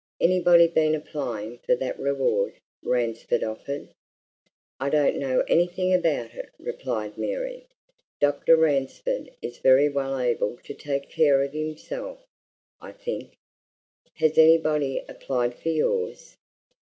Anybody been applying for that reward Ransford offered?" "I don't know anything about it," replied Mary. "Dr. Ransford is very well able to take care of himself, I think. Has anybody applied for yours?"